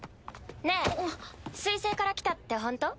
ねえ水星から来たってほんと？